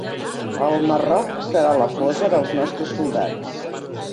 El Marroc serà la fossa dels nostres soldats.